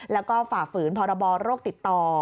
แล้วก็ฝ่าฝืนพรบโรคติดต่อ